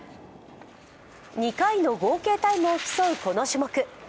２回の合計タイムを競うこの種目。